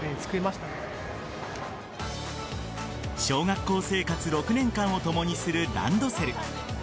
小学校生活６年間を共にするランドセル。